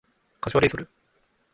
柏レイソル